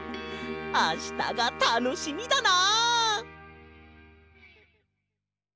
あしたがたのしみだな！